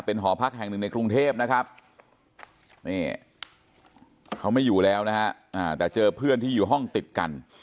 หอพักแห่งหนึ่งในกรุงเทพนะครับนี่เขาไม่อยู่แล้วนะฮะแต่เจอเพื่อนที่อยู่ห้องติดกัน